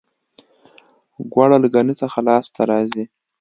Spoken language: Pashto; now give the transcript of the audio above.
ګوړه له ګني څخه لاسته راځي